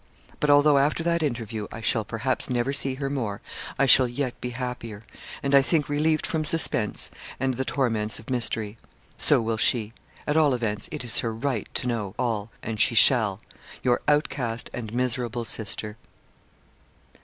But although, after that interview, I shall, perhaps, never see her more, I shall yet be happier, and, I think, relieved from suspense, and the torments of mystery. So will she. At all events, it is her right to know all and she shall. 'YOUR OUTCAST AND MISERABLE SISTER.'